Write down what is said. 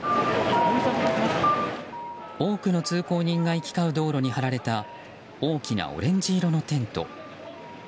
多くの通行人が行き交う道路に張られた大きなオレンジ色のテント。